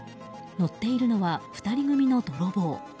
乗っているのは２人組の泥棒。